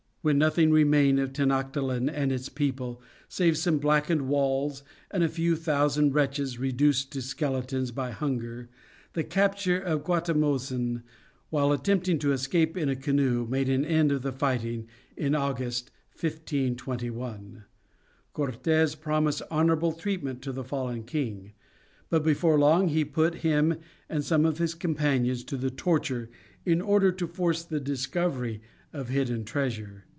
When nothing remained of Tenoctitlan and its people save some blackened walls and a few thousand wretches reduced to skeletons by hunger, the capture of Guatimozin while attempting to escape in a canoe, made an end of the fighting in August, 1521. Cortes promised honorable treatment to the fallen king, but before long he put him and some of his companions to the torture in order to force the discovery of hidden treasure.